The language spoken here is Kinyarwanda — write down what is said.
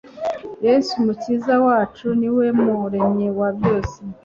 yesu umukiza wacu ni we muremyi wa byose